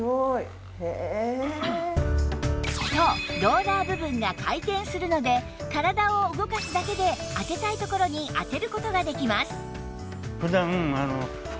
そうローラー部分が回転するので体を動かすだけで当てたいところに当てる事ができます